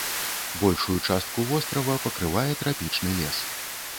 Большую частку вострава пакрывае трапічны лес.